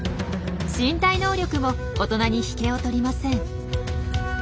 身体能力も大人に引けを取りません。